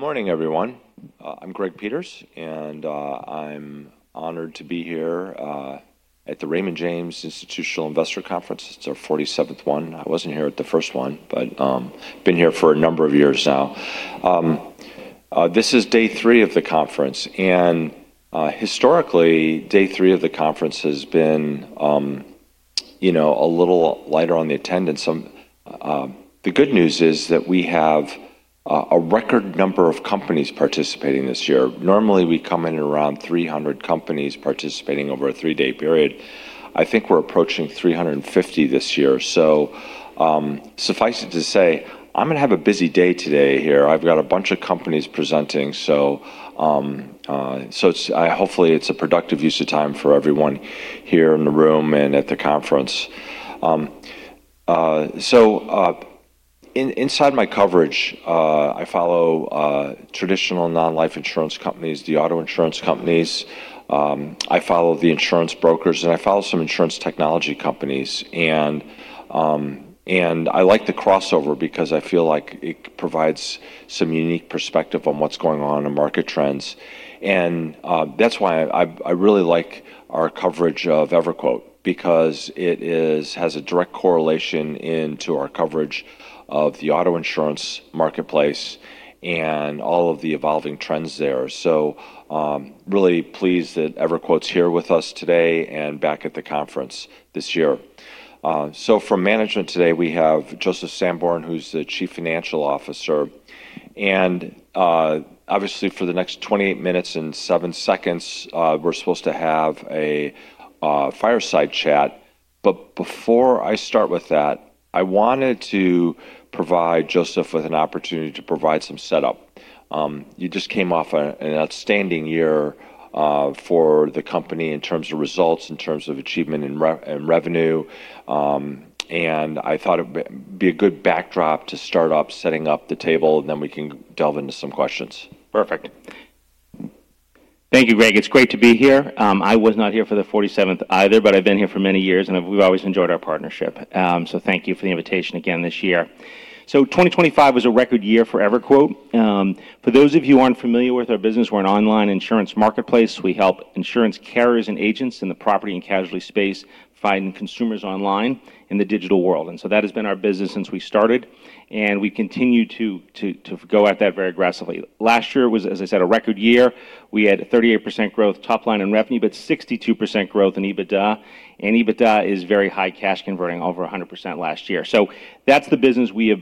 Good morning, everyone. I'm Greg Peters, I'm honored to be here at the Raymond James Institutional Investors Conference. It's our 47th one. I wasn't here at the first one, but been here for a number of years now. This is day three of the conference, historically, day three of the conference has been, you know, a little lighter on the attendance. The good news is that we have a record number of companies participating this year. Normally, we come in around 300 companies participating over a three-day period. I think we're approaching 350 this year. Suffice it to say, I'm gonna have a busy day today here. I've got a bunch of companies presenting, so hopefully it's a productive use of time for everyone here in the room and at the conference. Inside my coverage, I follow traditional non-life insurance companies, the auto insurance companies. I follow the insurance brokers, and I follow some insurance technology companies. I like the crossover because I feel like it provides some unique perspective on what's going on in market trends. That's why I really like our coverage of EverQuote because it has a direct correlation into our coverage of the auto insurance marketplace and all of the evolving trends there. Really pleased that EverQuote's here with us today and back at the conference this year. From management today, we have Joseph Sanborn, who's the Chief Financial Officer. obviously, for the next 28 minutes and seven seconds, we're supposed to have a fireside chat. Before I start with that, I wanted to provide Joseph with an opportunity to provide some setup. You just came off an outstanding year for the company in terms of results, in terms of achievement and revenue. I thought it'd be a good backdrop to start off setting up the table, and then we can delve into some questions. Perfect. Thank you, Greg. It's great to be here. I was not here for the 47th either, but I've been here for many years, and we've always enjoyed our partnership. Thank you for the invitation again this year. 2025 was a record year for EverQuote. For those of you who aren't familiar with our business, we're an online insurance marketplace. We help insurance carriers and agents in the property and casualty space find consumers online in the digital world. That has been our business since we started, and we continue to go at that very aggressively. Last year was, as I said, a record year. We had 38% growth top line in revenue, but 62% growth in EBITDA. EBITDA is very high cash converting, over 100% last year. That's the business we have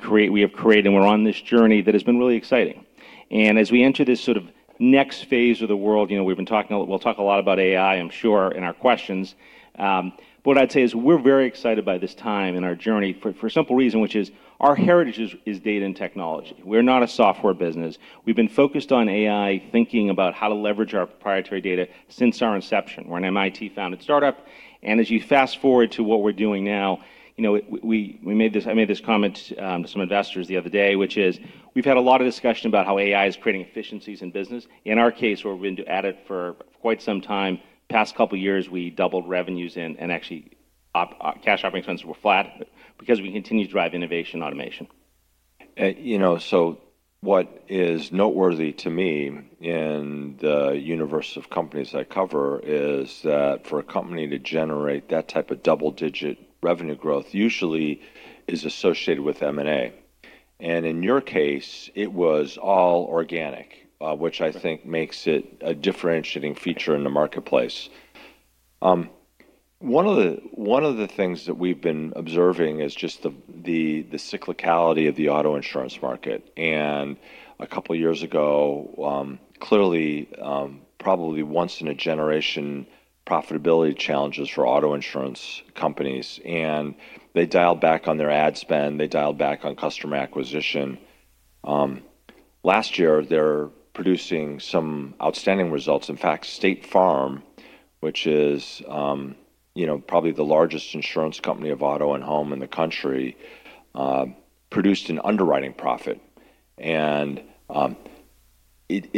created, and we're on this journey that has been really exciting. As we enter this sort of next phase of the world, you know, we'll talk a lot about AI, I'm sure, in our questions. What I'd say is we're very excited by this time in our journey for a simple reason, which is our heritage is data and technology. We're not a software business. We've been focused on AI, thinking about how to leverage our proprietary data since our inception. We're an MIT-founded startup. As you fast-forward to what we're doing now, you know, I made this comment to some investors the other day, which is we've had a lot of discussion about how AI is creating efficiencies in business. In our case, where we've been at it for quite some time, past couple years, we doubled revenues and actually cash operating expenses were flat because we continue to drive innovation automation. you know, what is noteworthy to me in the universe of companies I cover is that for a company to generate that type of double-digit revenue growth usually is associated with M&A. In your case, it was all organic, which I think makes it a differentiating feature in the marketplace. One of the things that we've been observing is just the cyclicality of the auto insurance market. A couple years ago, clearly, probably once-in-a-generation profitability challenges for auto insurance companies, and they dialed back on their ad spend, they dialed back on customer acquisition. Last year, they're producing some outstanding results. In fact, State Farm, which is, you know, probably the largest insurance company of auto and home in the country, produced an underwriting profit. It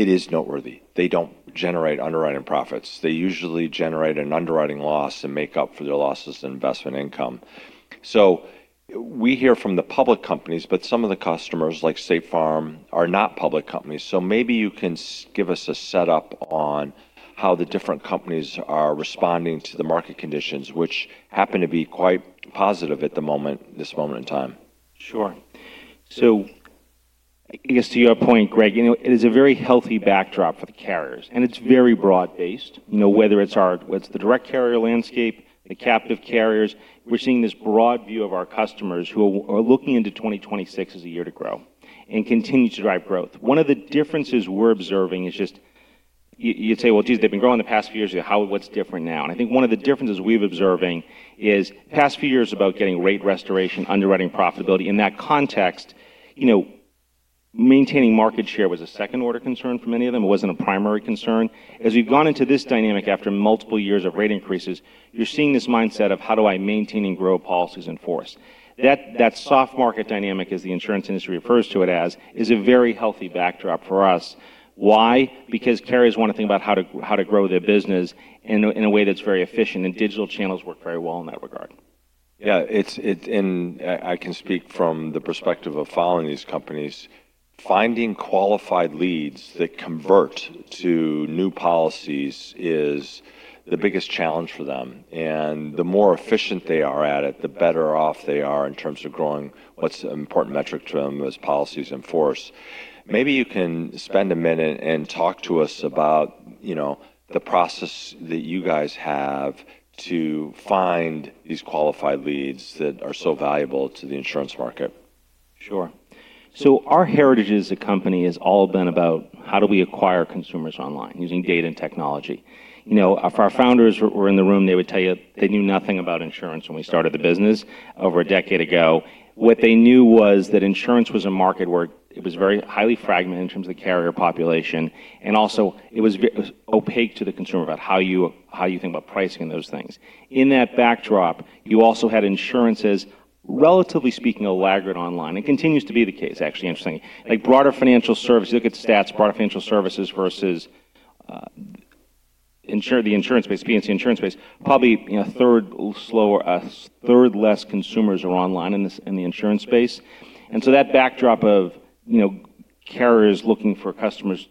is noteworthy. They don't generate underwriting profits. They usually generate an underwriting loss and make up for their losses in investment income. We hear from the public companies, but some of the customers, like State Farm, are not public companies. Maybe you can give us a setup on how the different companies are responding to the market conditions, which happen to be quite positive at the moment, this moment in time. Sure. I guess to your point, Greg, you know, it is a very healthy backdrop for the carriers, and it's very broad-based. You know, whether it's what's the direct carrier landscape, the captive carriers, we're seeing this broad view of our customers who are looking into 2026 as a year to grow and continue to drive growth. One of the differences we're observing is just you'd say, "Well, geez, they've been growing the past few years. How-- what's different now?" I think one of the differences we're observing is past few years about getting rate restoration, underwriting profitability. In that context, you know, maintaining market share was a second-order concern for many of them. It wasn't a primary concern. As we've gone into this dynamic after multiple years of rate increases, you're seeing this mindset of how do I maintain and grow policies in force? That soft market dynamic, as the insurance industry refers to it as, is a very healthy backdrop for us. Why? Because carriers want to think about how to grow their business in a, in a way that's very efficient, and digital channels work very well in that regard. Yeah. I can speak from the perspective of following these companies. Finding qualified leads that convert to new policies is the biggest challenge for them, and the more efficient they are at it, the better off they are in terms of growing what's an important metric to them as policies in force. Maybe you can spend a minute and talk to us about, you know, the process that you guys have to find these qualified leads that are so valuable to the insurance market? Sure. Our heritage as a company has all been about how do we acquire consumers online using data and technology. You know, if our founders were in the room, they would tell you they knew nothing about insurance when we started the business over a decade ago. What they knew was that insurance was a market where it was very highly fragmented in terms of the carrier population, and also it was opaque to the consumer about how you, how you think about pricing and those things. In that backdrop, you also had insurances, relatively speaking, a laggard online, and continues to be the case, actually. Interestingly, like broader financial service, you look at stats, broader financial services versus the insurance space, P&C insurance space, probably, you know, a third slower, a third less consumers are online in this, in the insurance space. That backdrop of, you know, carriers looking for customers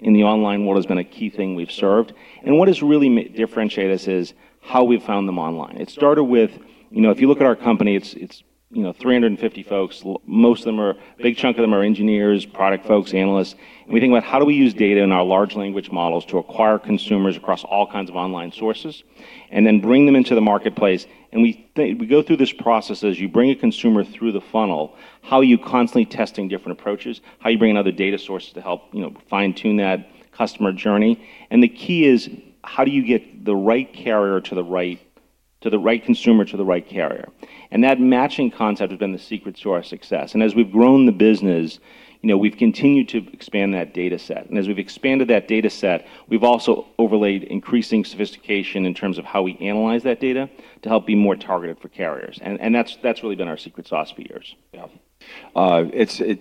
in the online world has been a key thing we've served. What has really differentiate us is how we've found them online. It started with, you know, if you look at our company, it's, you know, 350 folks. Most of them are a big chunk of them are engineers, product folks, analysts. We think about how do we use data in our large language models to acquire consumers across all kinds of online sources and then bring them into the marketplace. We go through this process as you bring a consumer through the funnel, how are you constantly testing different approaches, how are you bringing other data sources to help, you know, fine-tune that customer journey. The key is how do you get the right carrier to the right consumer to the right carrier. That matching concept has been the secret to our success. As we've grown the business, you know, we've continued to expand that data set. As we've expanded that data set, we've also overlaid increasing sophistication in terms of how we analyze that data to help be more targeted for carriers, and that's really been our secret sauce for years.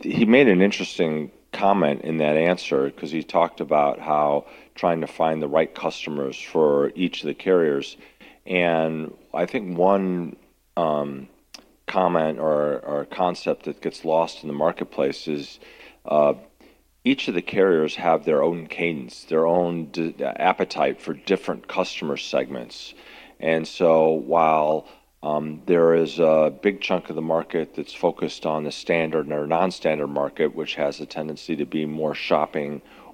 He made an interesting comment in that answer because he talked about how trying to find the right customers for each of the carriers, and I think one comment or concept that gets lost in the marketplace is, each of the carriers have their own cadence, their own appetite for different customer segments. While there is a big chunk of the market that's focused on the standard or Non-standard market, which has a tendency to be more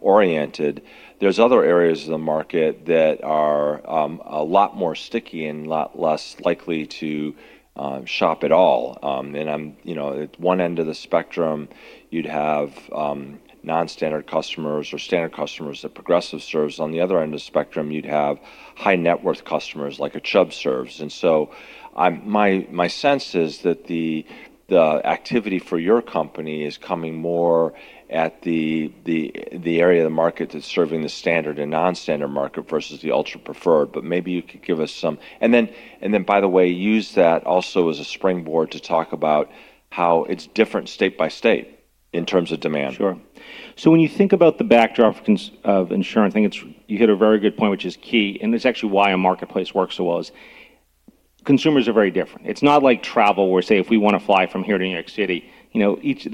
shopping-oriented, there's other areas of the market that are a lot more sticky and a lot less likely to shop at all. You know, at one end of the spectrum, you'd have Non-standard customers or standard customers that Progressive serves. On the other end of the spectrum, you'd have high net worth customers like a Chubb serves. My sense is that the activity for your company is coming more at the area of the market that's serving the standard and non-standard market versus the ultra preferred. Maybe you could give us some. Then, by the way, use that also as a springboard to talk about how it's different state by state in terms of demand. When you think about the backdrop of insurance, I think it's you hit a very good point, which is key, and it's actually why a marketplace works so well, consumers are very different. It's not like travel where, say, if we want to fly from here to New York City, you know, each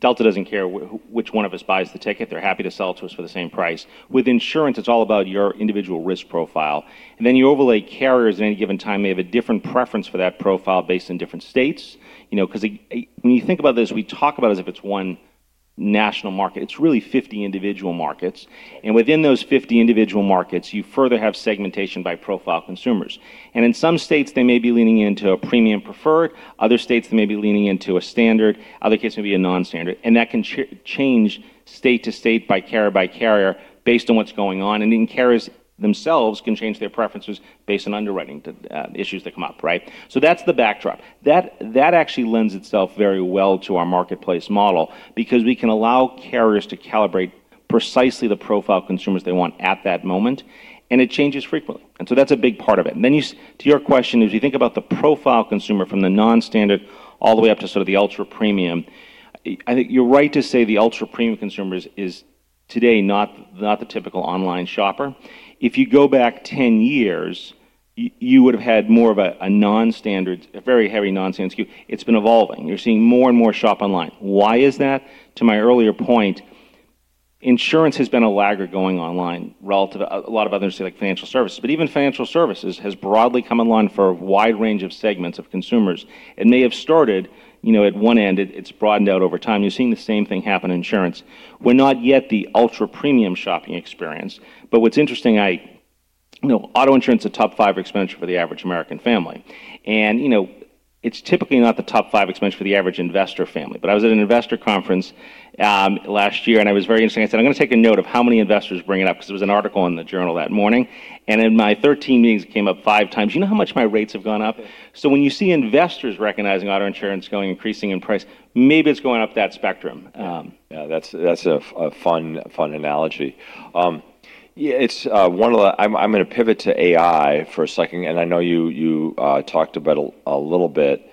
Delta doesn't care which one of us buys the ticket. They're happy to sell it to us for the same price. With insurance, it's all about your individual risk profile, and then you overlay carriers at any given time may have a different preference for that profile based in different states. You know, 'cause when you think about this, we talk about it as if it's one national market. It's really fifty individual markets, and within those 50 individual markets, you further have segmentation by profile consumers. In some states, they may be leaning into a premium preferred, other states they may be leaning into a standard, other cases it may be a non-standard, and that can change state to state by carrier by carrier based on what's going on, and even carriers themselves can change their preferences based on underwriting to issues that come up, right? That's the backdrop. That actually lends itself very well to our marketplace model because we can allow carriers to calibrate precisely the profile consumers they want at that moment, and it changes frequently. That's a big part of it. To your question, as you think about the profile consumer from the non-standard all the way up to sort of the ultra-premium, I think you're right to say the ultra-premium consumer is today not the typical online shopper. If you go back 10 years, you would've had more of a non-standard, a very heavy non-standard skew. It's been evolving. You're seeing more and more shop online. Why is that? To my earlier point, insurance has been a laggard going online relative... a lot of others say like financial services. Even financial services has broadly come online for a wide range of segments of consumers and may have started, you know, at one end. It's broadened out over time. You're seeing the same thing happen in insurance. We're not yet the ultra-premium shopping experience. What's interesting, I... you know, auto insurance a top five expenditure for the average American family, and, you know, it's typically not the top five expense for the average investor family. I was at an investor conference last year, and I was very interested. I said, "I'm gonna take a note of how many investors bring it up," 'cause there was an article in The Wall Street Journal that morning, in my 13 meetings it came up five times. You know how much my rates have gone up? When you see investors recognizing auto insurance going, increasing in price, maybe it's going up that spectrum. Yeah. That's a fun analogy. Yeah, it's one of the... I'm gonna pivot to AI for a second, and I know you talked about a little bit.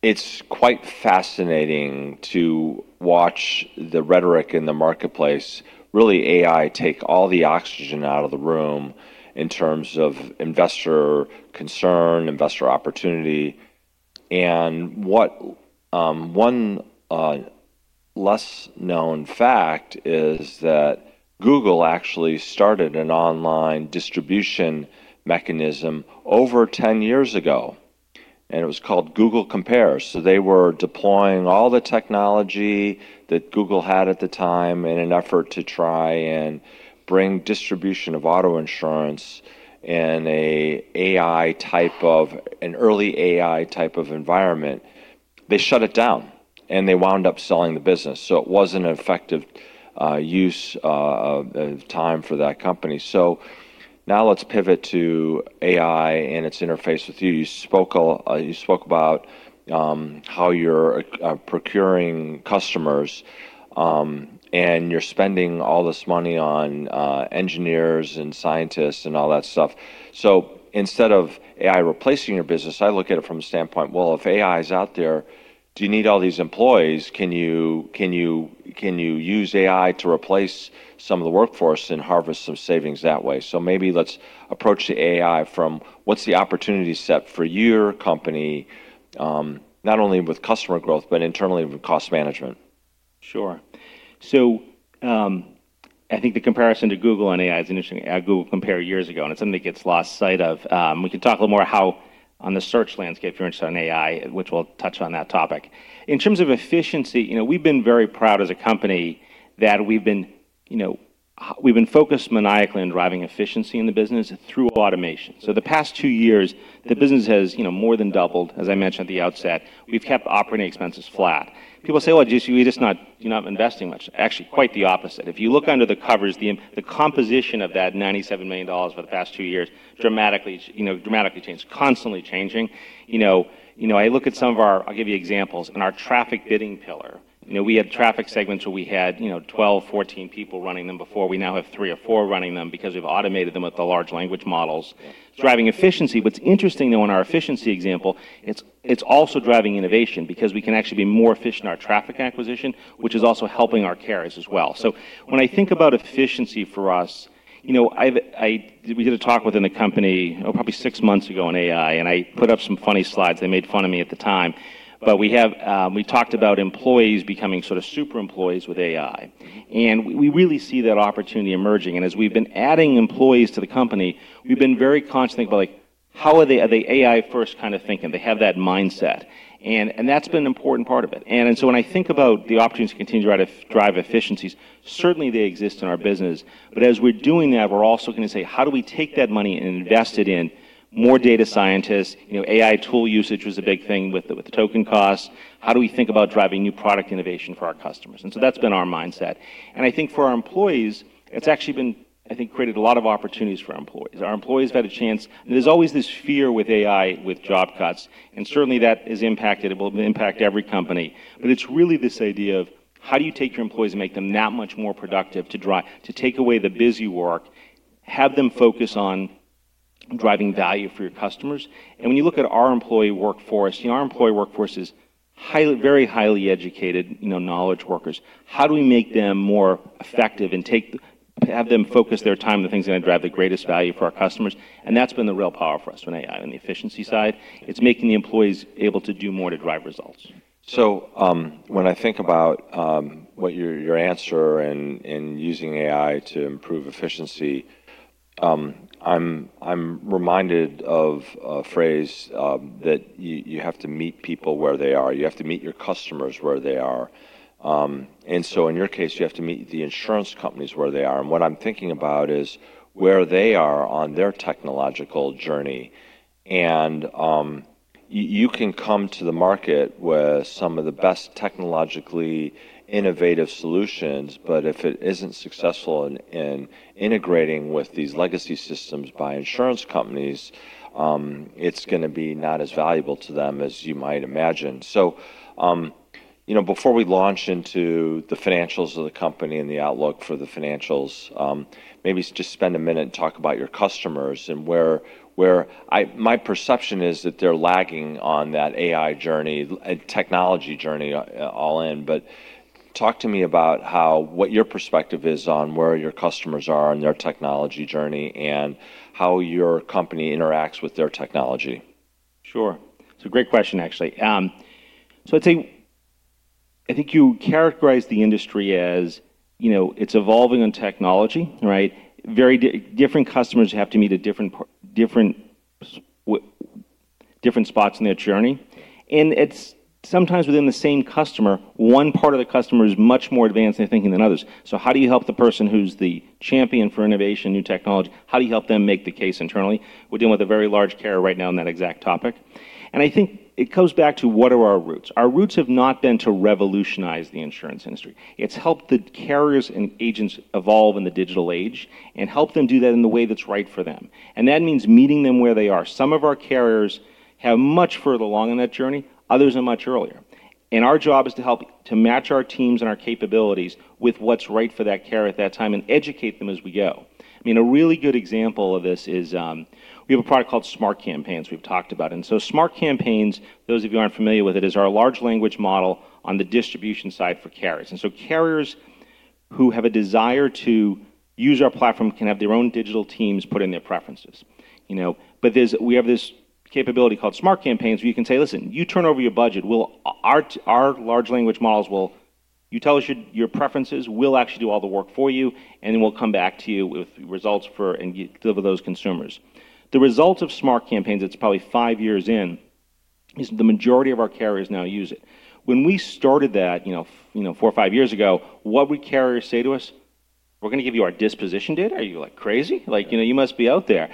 It's quite fascinating to watch the rhetoric in the marketplace, really AI take all the oxygen out of the room in terms of investor concern, investor opportunity. What one less known fact is that Google actually started an online distribution mechanism over 10 years ago, and it was called Google Compare. They were deploying all the technology that Google had at the time in an effort to try and bring distribution of auto insurance in an early AI type of environment. They shut it down, and they wound up selling the business. It wasn't an effective use of time for that company. Now let's pivot to AI and its interface with you. You spoke about how you're procuring customers, and you're spending all this money on engineers and scientists and all that stuff. Instead of AI replacing your business, I look at it from the standpoint, well, if AI is out there, do you need all these employees? Can you use AI to replace some of the workforce and harvest some savings that way? Maybe let's approach the AI from what's the opportunity set for your company, not only with customer growth, but internally with cost management. Sure. I think the comparison to Google and AI is interesting. Google Compare years ago, and it's something that gets lost sight of. We can talk a little more how on the search landscape, if you're interested in AI, which we'll touch on that topic. In terms of efficiency, you know, we've been very proud as a company that we've been, you know, we've been focused maniacally on driving efficiency in the business through automation. The past two years, the business has, you know, more than doubled. As I mentioned at the outset, we've kept operating expenses flat. People say, "Well, you're just not, you're not investing much." Actually, quite the opposite. If you look under the covers, the composition of that $97 million for the past two years dramatically changed, constantly changing. I'll give you examples. In our traffic bidding pillar, you know, we had traffic segments where we had, you know, 12, 14 people running them before. We now have three or four running them because we've automated them with the large language models. Driving efficiency. What's interesting, though, in our efficiency example, it's also driving innovation because we can actually be more efficient in our traffic acquisition, which is also helping our carriers as well. When I think about efficiency for us, you know, we did a talk within the company, probably six months ago on AI, and I put up some funny slides. They made fun of me at the time. We have, we talked about employees becoming sort of super employees with AI, and we really see that opportunity emerging. As we've been adding employees to the company, we've been very conscious, think about, like, are they AI first kind of thinking? They have that mindset, and that's been an important part of it. When I think about the opportunities to continue to drive efficiencies, certainly they exist in our business. As we're doing that, we're also gonna say, how do we take that money and invest it in more data scientists? You know, AI tool usage was a big thing with the token costs. How do we think about driving new product innovation for our customers? That's been our mindset. I think for our employees, it's actually been, I think, created a lot of opportunities for our employees. Our employees have had a chance... Certainly that has impacted, it will impact every company. It's really this idea of how do you take your employees and make them that much more productive to take away the busy work, have them focus on driving value for your customers. When you look at our employee workforce, you know, our employee workforce is highly, very highly educated, you know, knowledge workers. How do we make them more effective and have them focus their time on the things that are gonna drive the greatest value for our customers? That's been the real power for us with AI on the efficiency side. It's making the employees able to do more to drive results. When I think about what your answer and using AI to improve efficiency, I'm reminded of a phrase, that you have to meet people where they are. You have to meet your customers where they are. In your case, you have to meet the insurance companies where they are. What I'm thinking about is where they are on their technological journey. You, you can come to the market with some of the best technologically innovative solutions, but if it isn't successful in integrating with these legacy systems by insurance companies, it's gonna be not as valuable to them as you might imagine. You know, before we launch into the financials of the company and the outlook for the financials, maybe just spend a minute and talk about your customers and my perception is that they're lagging on that AI journey and technology journey all in. Talk to me about how, what your perspective is on where your customers are on their technology journey and how your company interacts with their technology? Sure. It's a great question, actually. I'd say I think you characterize the industry as, you know, it's evolving in technology, right? Very different customers have to meet at different spots in their journey. It's sometimes within the same customer, one part of the customer is much more advanced in their thinking than others. How do you help the person who's the champion for innovation, new technology? How do you help them make the case internally? We're dealing with a very large carrier right now on that exact topic. I think it comes back to what are our roots? Our roots have not been to revolutionize the insurance industry. It's helped the carriers and agents evolve in the digital age and help them do that in the way that's right for them. That means meeting them where they are. Some of our carriers have much further along on that journey, others are much earlier. Our job is to help to match our teams and our capabilities with what's right for that carrier at that time and educate them as we go. I mean, a really good example of this is, we have a product called Smart Campaigns we've talked about. Smart Campaigns, those of you who aren't familiar with it, is our large language model on the distribution side for carriers. Carriers who have a desire to use our platform can have their own digital teams put in their preferences, you know. We have this capability called Smart Campaigns, where you can say, "Listen, you turn over your budget, our large language models will... You tell us your preferences, we'll actually do all the work for you, and then we'll come back to you with results for and get deliver those consumers." The results of Smart Campaigns, it's probably five years in, is the majority of our carriers now use it. When we started that, you know, four or five years ago, what would carriers say to us? "We're gonna give you our disposition data? Are you, like, crazy? Like, you know, you must be out there."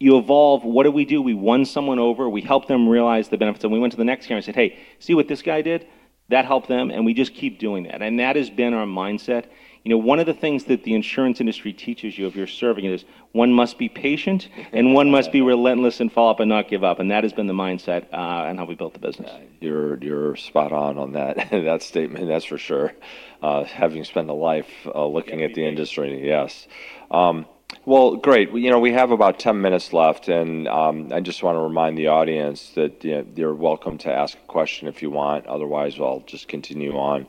You evolve. What do we do? We won someone over, we helped them realize the benefits, we went to the next carrier and said, "Hey, see what this guy did? That helped them," we just keep doing that. That has been our mindset. You know, one of the things that the insurance industry teaches you if you're serving it is one must be patient, and one must be relentless and follow up and not give up. That has been the mindset, in how we built the business. Yeah. You're spot on that statement, that's for sure, having spent a life, looking at the industry. Yes. Well, great. You know, we have about 10 minutes left, and I just wanna remind the audience that, you know, you're welcome to ask a question if you want. Otherwise, I'll just continue on.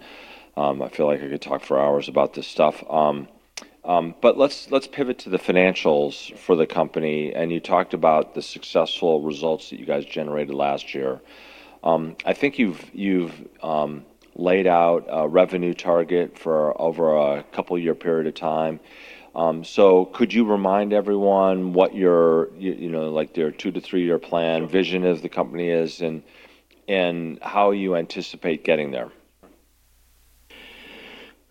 I feel like I could talk for hours about this stuff. Let's pivot to the financials for the company. You talked about the successful results that you guys generated last year. I think you've laid out a revenue target for over a couple year period of time. So could you remind everyone what your, you know, like, their two-three-year plan vision of the company is and how you anticipate getting there?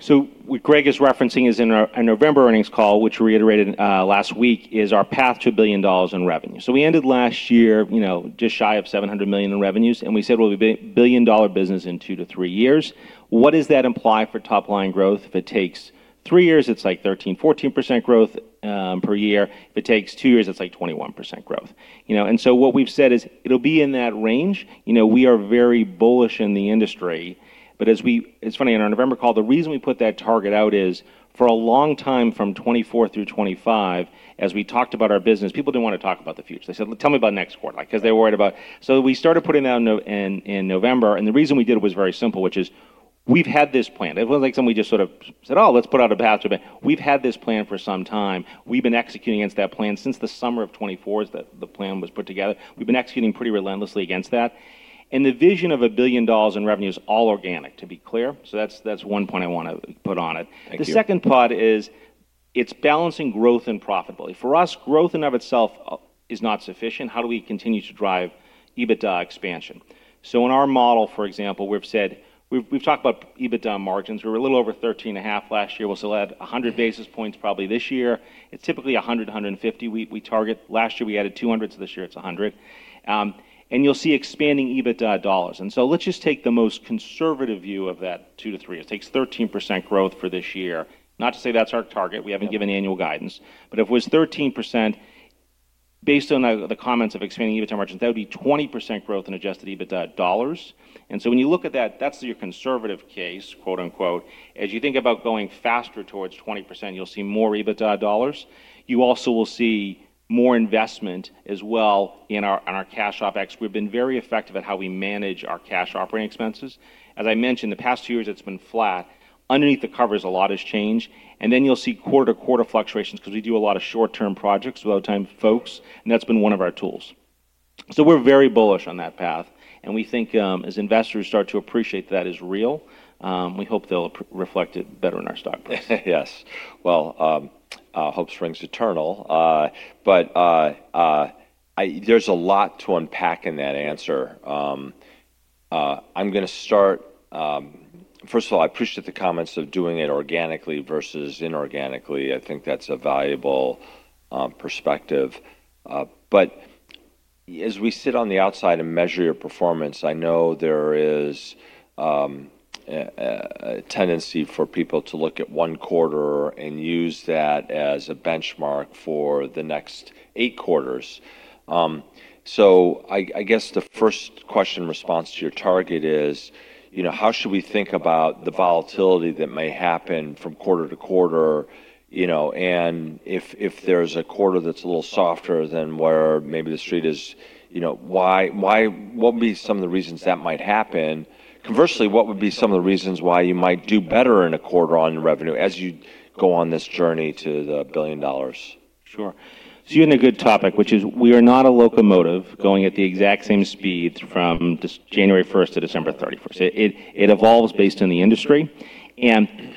What Greg is referencing is in our November earnings call, which we reiterated last week, is our path to $1 billion in revenue. We ended last year, you know, just shy of $700 million in revenues, and we said we'll be billion-dollar business in two-three years. What does that imply for top line growth? If it takes three years, it's like 13-14% growth per year. If it takes two years, it's like 21% growth, you know. What we've said is it'll be in that range. You know, we are very bullish in the industry. It's funny, in our November call, the reason we put that target out is for a long time, from 2024 through 2025, as we talked about our business, people didn't wanna talk about the future. They said, "Well, tell me about next quarter," like, 'cause they were worried about... We started putting that in November, the reason we did it was very simple, which is we've had this plan. It wasn't like something we just sort of said, "Oh, let's put out a path to $1 billion." We've had this plan for some time. We've been executing against that plan since the summer of '24 is the plan was put together. We've been executing pretty relentlessly against that. The vision of $1 billion in revenue is all organic, to be clear. That's one point I wanna put on it. Thank you. The second part is it's balancing growth and profitability. For us, growth in and of itself is not sufficient. How do we continue to drive EBITDA expansion? In our model, for example, we've talked about EBITDA margins. We were a little over 13.5 last year. We'll still add 100 basis points probably this year. It's typically 150 we target. Last year we added 200, so this year it's 100. You'll see expanding EBITDA dollars. Let's just take the most conservative view of that two-three. It takes 13% growth for this year. Not to say that's our target. We haven't given annual guidance. If it was 13%, based on the comments of expanding EBITDA margins, that would be 20% growth in adjusted EBITDA dollars. When you look at that's your conservative case, quote unquote. As you think about going faster towards 20%, you'll see more EBITDA dollars. You also will see more investment as well in our, on our cash OpEx. We've been very effective at how we manage our cash operating expenses. As I mentioned, the past two years it's been flat. Underneath the covers, a lot has changed. Then you'll see quarter-to-quarter fluctuations because we do a lot of short-term projects with our time folks, and that's been one of our tools. We're very bullish on that path, and we think, as investors start to appreciate that is real, we hope they'll reflect it better in our stock price. Yes. Well, hope springs eternal. There's a lot to unpack in that answer. I'm gonna start. First of all, I appreciate the comments of doing it organically versus inorganically. I think that's a valuable perspective. As we sit on the outside and measure your performance, I know there is a tendency for people to look at one quarter and use that as a benchmark for the next eight quarters. So I guess the first question in response to your target is, you know, how should we think about the volatility that may happen from quarter to quarter, you know? If there's a quarter that's a little softer than where maybe the street is, you know, what would be some of the reasons that might happen? Conversely, what would be some of the reasons why you might do better in a quarter on revenue as you go on this journey to the billion dollars? Sure. You're in a good topic, which is we are not a locomotive going at the exact same speed from just January first to December thirty-first. It evolves based on the industry.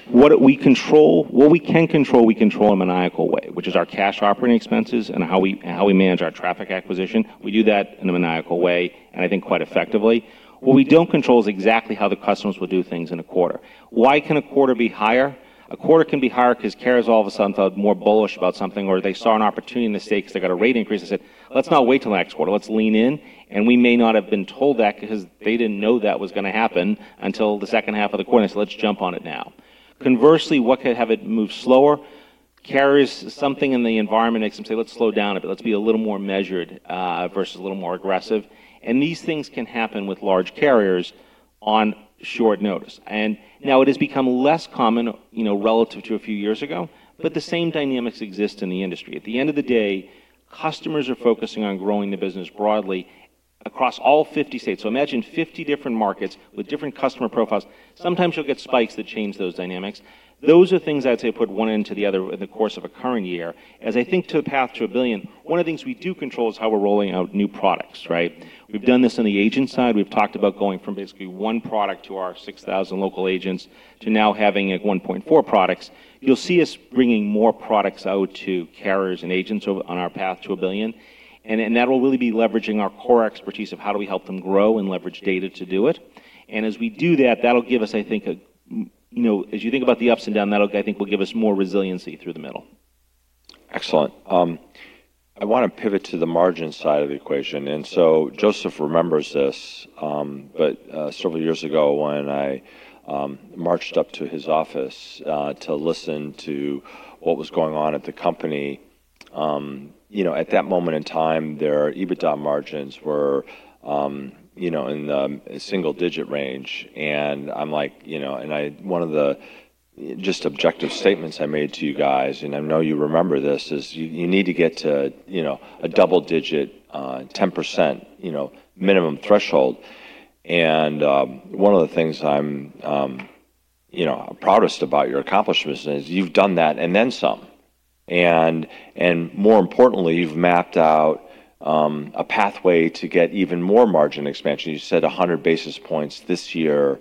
What we can control, we control in a maniacal way, which is our cash operating expenses and how we manage our traffic acquisition. We do that in a maniacal way, and I think quite effectively. What we don't control is exactly how the customers will do things in a quarter. Why can a quarter be higher? A quarter can be higher because carriers all of a sudden felt more bullish about something, or they saw an opportunity in the stake because they got a rate increase. They said, "Let's not wait till next quarter. Let's lean in." We may not have been told that because they didn't know that was gonna happen until the second half of the quarter, and so let's jump on it now. Conversely, what could have it move slower? Carriers, something in the environment makes them say, "Let's slow down a bit. Let's be a little more measured versus a little more aggressive." These things can happen with large carriers on short notice. Now it has become less common, you know, relative to a few years ago, but the same dynamics exist in the industry. At the end of the day, customers are focusing on growing the business broadly across all 50 states. Imagine 50 different markets with different customer profiles. Sometimes you'll get spikes that change those dynamics. Those are things I'd say put one into the other in the course of a current year. As I think to a path to $1 billion, one of the things we do control is how we're rolling out new products, right? We've done this on the agent side. We've talked about going from basically one product to our 6,000 local agents to now having, like, 1.4 products. You'll see us bringing more products out to carriers and agents on our path to $1 billion. That'll really be leveraging our core expertise of how do we help them grow and leverage data to do it. As we do that'll give us, I think, you know, as you think about the ups and down, that'll, I think, will give us more resiliency through the middle. Excellent. I wanna pivot to the margin side of the equation. Joseph remembers this, several years ago when I marched up to his office, to listen to what was going on at the company, you know, at that moment in time, their EBITDA margins were, you know, in the single digit range. I'm like, you know... one of the just objective statements I made to you guys, and I know you remember this, is you need to get to, you know, a double digit, 10%, you know, minimum threshold. One of the things I'm, you know, proudest about your accomplishments is you've done that and then some. More importantly, you've mapped out a pathway to get even more margin expansion. You said 100 basis points this year.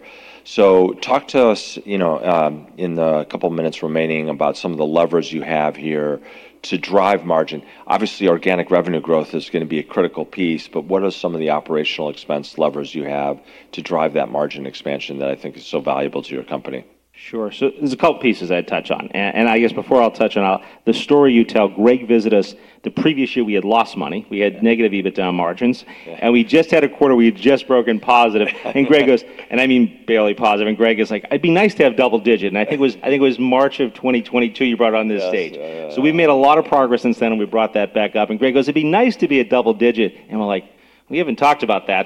Talk to us, you know, in the couple minutes remaining about some of the levers you have here to drive margin. Obviously, organic revenue growth is gonna be a critical piece, but what are some of the operational expense levers you have to drive that margin expansion that I think is so valuable to your company? Sure. There's a couple pieces I'd touch on. I guess before I'll touch on, the story you tell, Greg visited us. The previous year we had lost money. We had negative EBITDA margins. Yeah. We just had a quarter we had just broken positive. I mean barely positive. Greg is like, "It'd be nice to have double digit." I think it was March of 2022 you brought it on this stage. Yes. Yeah, yeah. We've made a lot of progress since then, and we brought that back up. Greg goes, "It'd be nice to be a double-digit." We're like, "We haven't talked about that."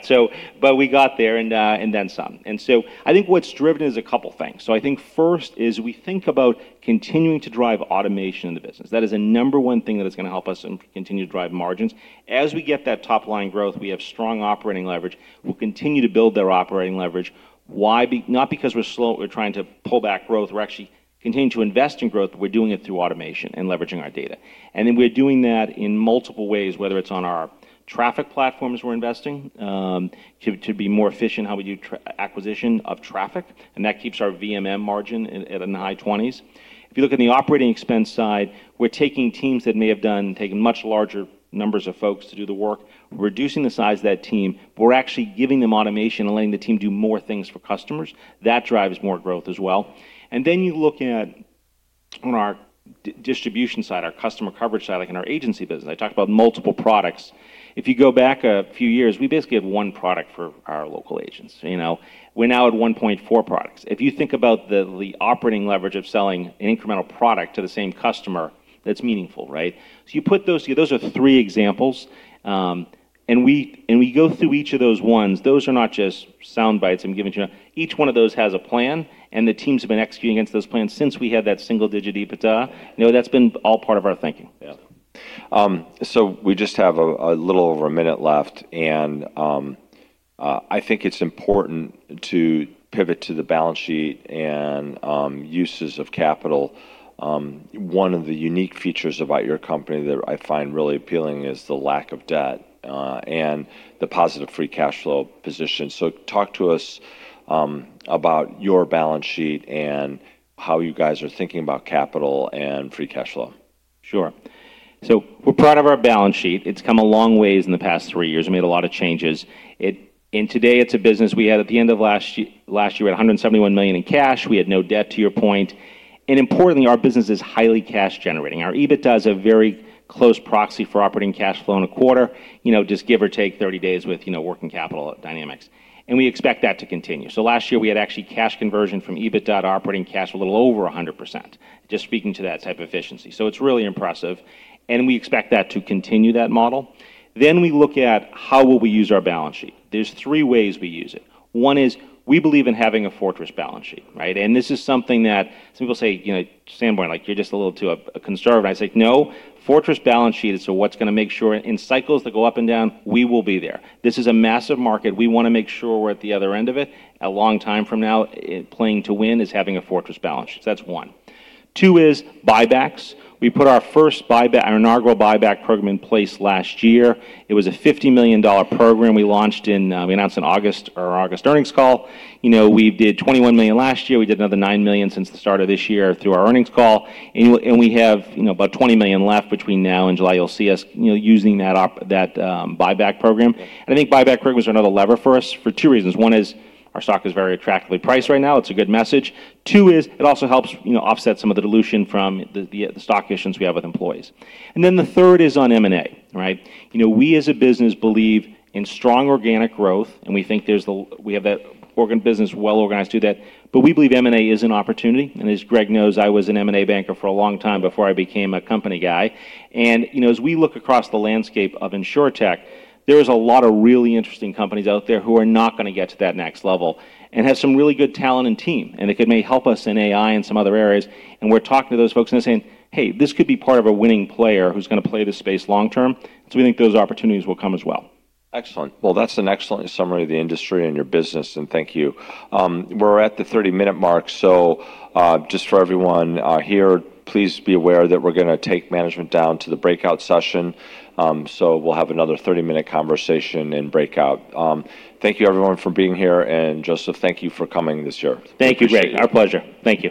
We got there and then some. I think what's driven is a couple things. I think first is we think about continuing to drive automation in the business. That is the number one thing that is gonna help us and continue to drive margins. As we get that top line growth, we have strong operating leverage. We'll continue to build their operating leverage. Why? Not because we're slow, we're trying to pull back growth. We're actually continuing to invest in growth, but we're doing it through automation and leveraging our data. We're doing that in multiple ways, whether it's on our traffic platforms we're investing to be more efficient how we do acquisition of traffic, and that keeps our VMM margin at in the high 20s. If you look at the operating expense side, we're taking teams that may have done, taken much larger numbers of folks to do the work, reducing the size of that team, but we're actually giving them automation and letting the team do more things for customers. That drives more growth as well. You look at on our distribution side, our customer coverage side, like in our agency business. I talked about multiple products. If you go back a few years, we basically have one product for our local agents. You know, we're now at 1.4 products. If you think about the operating leverage of selling an incremental product to the same customer, that's meaningful, right? You put those together. Those are three examples. We go through each of those ones. Those are not just sound bites I'm giving to you. Each one of those has a plan, and the teams have been executing against those plans since we had that single-digit EBITDA. You know, that's been all part of our thinking. Yeah. We just have a little over a minute left, and I think it's important to pivot to the balance sheet and uses of capital. One of the unique features about your company that I find really appealing is the lack of debt and the positive free cash flow position. Talk to us about your balance sheet and how you guys are thinking about capital and free cash flow. Sure. We're proud of our balance sheet. It's come a long ways in the past three years and made a lot of changes. Today it's a business we had at the end of last year, last year at $171 million in cash. We had no debt, to your point. Importantly, our business is highly cash generating. Our EBITDA is a very close proxy for operating cash flow in a quarter, you know, just give or take 30 days with, you know, working capital dynamics. We expect that to continue. Last year we had actually cash conversion from EBITDA to operating cash a little over 100%, just speaking to that type of efficiency. It's really impressive, and we expect that to continue that model. We look at how will we use our balance sheet. There's three ways we use it. One is we believe in having a fortress balance sheet, right? This is something that some people say, you know, "Sanborn, like, you're just a little too conservative." I say, "No, fortress balance sheet is so what's gonna make sure in cycles that go up and down, we will be there." This is a massive market. We wanna make sure we're at the other end of it a long time from now. Playing to win is having a fortress balance sheet. That's one. Two is buybacks. We put our first buyback, our inaugural buyback program in place last year. It was a $50 million program we launched in, we announced in August or August earnings call. You know, we did $21 million last year. We did another $9 million since the start of this year through our earnings call. We have, you know, about $20 million left between now and July. You'll see us, you know, using that up, buyback program. Yeah. I think buyback program is another lever for us for two reasons. One is our stock is very attractively priced right now. It's a good message. Two is it also helps, you know, offset some of the dilution from the stock issues we have with employees. Then the third is on M&A, right? You know, we as a business believe in strong organic growth, and we think we have that business well-organized to that. We believe M&A is an opportunity. As Greg knows, I was an M&A banker for a long time before I became a company guy. You know, as we look across the landscape of Insurtech, there's a lot of really interesting companies out there who are not gonna get to that next level and have some really good talent and team, and it may help us in AI and some other areas. We're talking to those folks and they're saying, "Hey, this could be part of a winning player who's gonna play this space long term." We think those opportunities will come as well. Excellent. Well, that's an excellent summary of the industry and your business, and thank you. We're at the 30-minute mark. Just for everyone here, please be aware that we're gonna take management down to the breakout session. We'll have another 30-minute conversation in breakout. Thank you everyone for being here, and Joseph, thank you for coming this year. We appreciate it. Thank you, Greg. Our pleasure. Thank you.